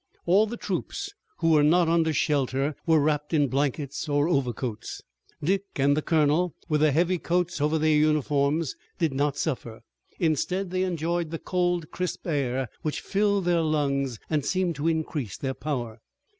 All the troops who were not under shelter were wrapped in blankets or overcoats. Dick and the colonel, with the heavy coats over their uniforms, did not suffer. Instead, they enjoyed the cold, crisp air, which filled their lungs and seemed to increase their power.